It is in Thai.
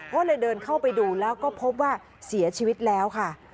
ก็เลยเดินเข้าไปดูแล้วก็พบว่าเสียชีวิตแล้วค่ะ